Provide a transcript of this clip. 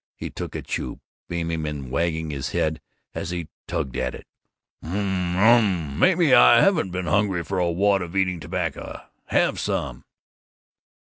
He took a chew, beaming and wagging his head as he tugged at it. "Um! Um! Maybe I haven't been hungry for a wad of eating tobacco! Have some?"